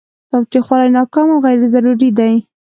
تاوتریخوالی ناکام او غیر ضروري دی.